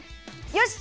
よし！